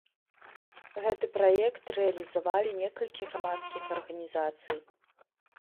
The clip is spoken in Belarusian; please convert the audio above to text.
Гэты праект рэалізавалі некалькі грамадскіх арганізацый.